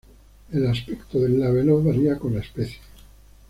El aspecto del labelo varia con la especie.